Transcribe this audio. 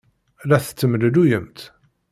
La tettemlelluyemt.